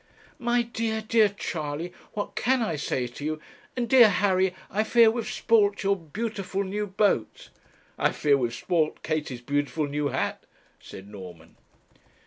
'My dear, dear Charley, what can I say to you? and dear Harry, I fear we've spoilt your beautiful new boat.' 'I fear we've spoilt Katie's beautiful new hat,' said Norman.